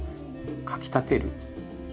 かき立てる。